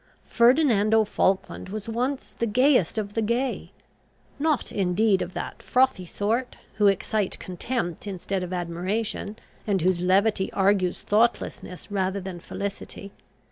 Ferdinando Falkland was once the gayest of the gay. Not indeed of that frothy sort, who excite contempt instead of admiration, and whose levity argues thoughtlessness rather than felicity.